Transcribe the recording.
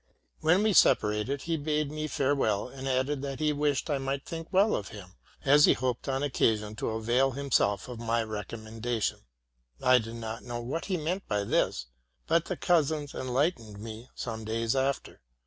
When we separated, he bade me farewell, and added, that he wished I might think well of him, as he hoped on occasion to avail himself of my recommendation. I did not know what he meant by this, but the cousins en lightened me some days after.